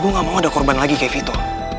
gue gak mau ada korban lagi kayak vito